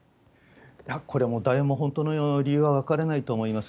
これはもう、誰も本当の理由は分からないと思います。